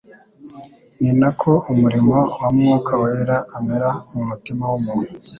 Ni nako umurimo wa Mwuka Wera amera mu mutima w’umuntu